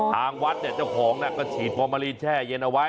ทางวัดเนี่ยเจ้าของก็ฉีดฟอร์มาลีนแช่เย็นเอาไว้